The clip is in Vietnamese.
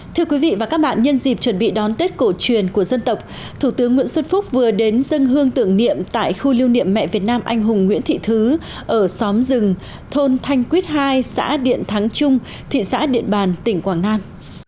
thưa quý vị và các bạn nhân dịp chuẩn bị đón tết cổ truyền của dân tộc thủ tướng nguyễn xuân phúc vừa đến dân hương tưởng niệm tại khu lưu niệm mẹ việt nam anh hùng nguyễn thị thứ ở xóm rừng thôn thanh quyết hai xã điện thắng trung thị xã điện bàn tỉnh quảng nam